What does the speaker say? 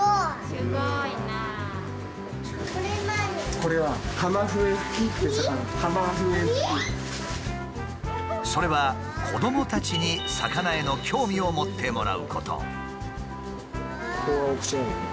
これはそれは子どもたちに魚への興味を持ってもらうこと。